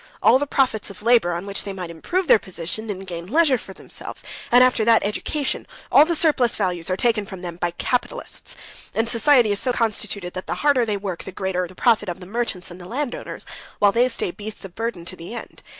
All the profits of labor, on which they might improve their position, and gain leisure for themselves, and after that education, all the surplus values are taken from them by the capitalists. And society's so constituted that the harder they work, the greater the profit of the merchants and landowners, while they stay beasts of burden to the end.